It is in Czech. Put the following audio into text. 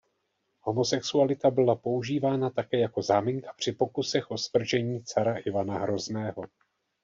Homosexualita byla používána také jako záminka při pokusech o svržení cara Ivana Hrozného.